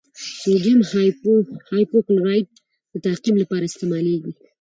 سوډیم هایپوکلورایټ د تعقیم لپاره استعمالیږي.